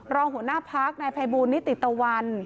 รองหัวหน้าพักในภายบูรณ์นิติตะวัน